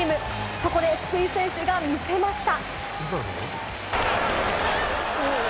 そこで福井選手が見せました。